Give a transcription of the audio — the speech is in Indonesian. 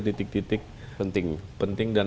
titik titik penting dan